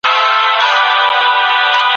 په عقيدوي مسايلو کي جبر او زور نسته.